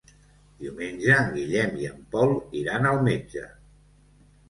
Diumenge en Guillem i en Pol iran al metge.